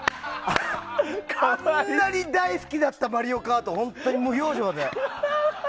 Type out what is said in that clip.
あんなに大好きだった「マリオカート」を無表情で。